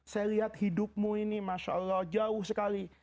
saya lihat hidupmu ini masya allah jauh sekali